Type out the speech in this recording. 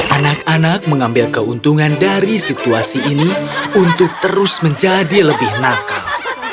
anak anak mengambil keuntungan dari situasi ini untuk terus menjadi lebih nakal